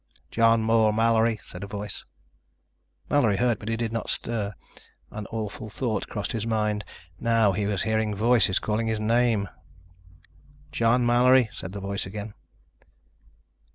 "John Moore Mallory," said a voice. Mallory heard, but he did not stir. An awful thought crossed his mind. Now he was hearing voices calling his name! "John Mallory," said the voice again.